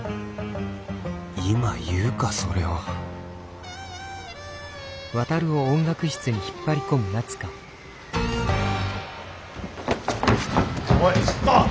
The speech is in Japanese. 今言うかそれをおいちょっと！